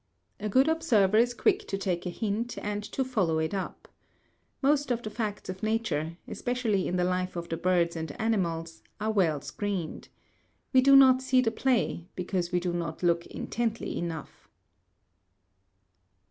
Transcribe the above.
A good observer is quick to take a hint and to follow it up. Most of the facts of nature, especially in the life of the birds and animals, are well screened. We do not see the play, because we do not look intently enough.